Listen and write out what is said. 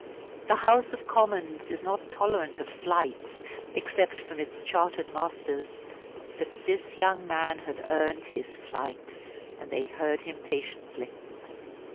The House of Commons is not tolerant of "flights," except from its chartered masters. But this young man had earned his flight; and they heard him patiently.